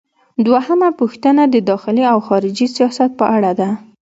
دوهمه پوښتنه د داخلي او خارجي سیاست په اړه ده.